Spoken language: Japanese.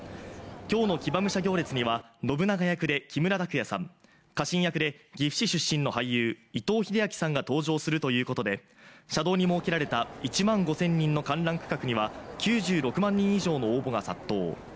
今日の騎馬武者行列には信長役で木村拓哉さん、家臣役で岐阜市出身の俳優、伊藤英明さんが登場するということで、車道に設けられた１万５０００人の観覧区画には９６万人以上の応募が殺到。